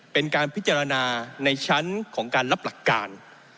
เป็นการพิจารณาในชั้นของการรับหลักการ